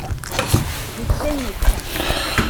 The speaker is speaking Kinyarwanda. gukenyuka